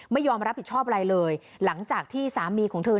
ไม่ยอมรับผิดชอบอะไรเลยหลังจากที่สามีของเธอ